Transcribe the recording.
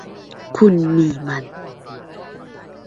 คุณมีมัน